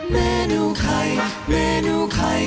เมนูไข่เมนูไข่อร่อยแท้อยากกิน